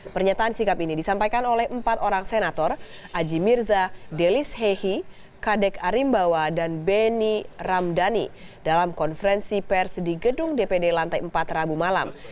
pernyataan sikap ini disampaikan oleh empat orang senator aji mirza delis hehi kadek arimbawa dan beni ramdhani dalam konferensi pers di gedung dpd lantai empat rabu malam